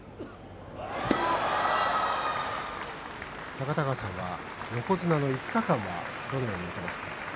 高田川さんは横綱の５日間をどのように見ていますか。